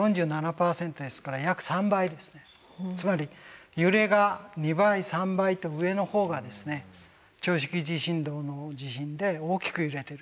つまり揺れが２倍３倍と上の方がですね長周期地震動の地震で大きく揺れてる長い時間揺れてるということを